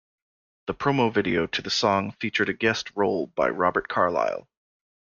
The promo video to the song featured a guest role by Robert Carlyle.